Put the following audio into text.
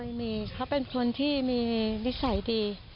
ไม่มีเขาเป็นคนที่มีนิสัยดี